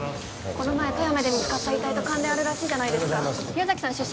この前富山で見つかった遺体と関連あるらしいじゃないですか宮崎さん出身